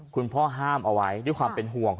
คุณพ่อห้ามเอาไว้ด้วยความเป็นห่วง